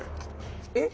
えっ？